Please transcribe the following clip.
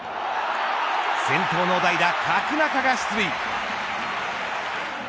先頭の代打角中が出塁。